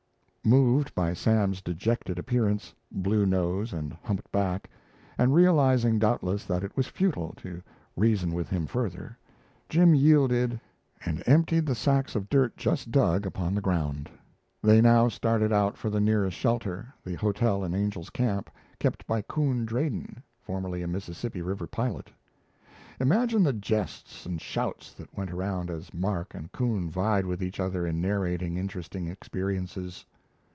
Moved by Sam's dejected appearance blue nose and humped back and realizing doubtless that it was futile to reason with him further, Jim yielded and emptied the sacks of dirt just dug upon the ground. They now started out for the nearest shelter, the hotel in Angel's Camp, kept by Coon Drayton, formerly a Mississippi River pilot. Imagine the jests and shouts that went around as Mark and Coon vied with each other in narrating interesting experiences.